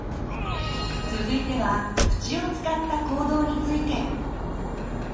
続いては口を使った行動について。